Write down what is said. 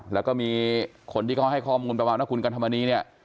แล้วก็มีคนที่เขาให้ข้อมูลประมาณว่าคุณกันธรรมนีเนี่ย